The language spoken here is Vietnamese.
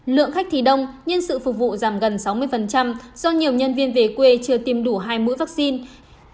lượng khách thì đông nhân sự phục vụ giảm gần sáu mươi do nhiều nhân viên về quê chưa tiêm đủ hai mũi vaccine